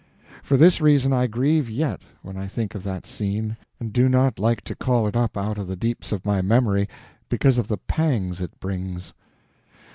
For this reason I grieve yet, when I think of that scene, and do not like to call it up out of the deeps of my memory because of the pangs it brings.